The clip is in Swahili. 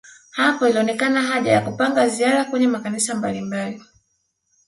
Hapo ilionekana haja ya kupanga ziara kwenye makanisa mbalimbali